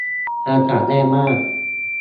อากาศแย่มาก